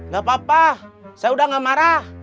gak apa apa saya udah gak marah